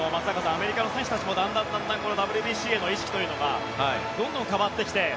アメリカの選手たちもだんだんＷＢＣへの意識というのがどんどん変わってきて。